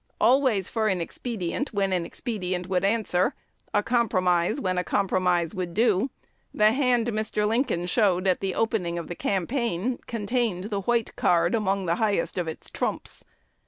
Always for an expedient when an expedient would answer, a compromise when a compromise would do, the "hand" Mr. Lincoln "showed" at the opening of the campaign contained the "White" card among the highest of its trumps.